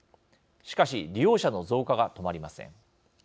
しかし利用者の増加が止まりません。